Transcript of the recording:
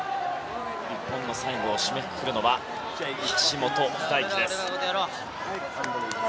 日本の最後を締めくくるのは橋本大輝です。